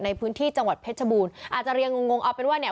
ในพื้นที่จังหวัดเพชรบูรณ์อาจจะเรียงงงเอาเป็นว่าเนี่ย